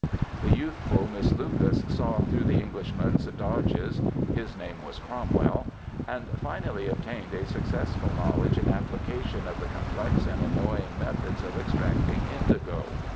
The youthful Miss Lucas saw through the 244 MEN, WOMEN, AND MINXES Englishman's dodges (his name was Cromwell), and *^ finally obtained a successful knowledge and application of the com plex and annoying methods of extracting indigo.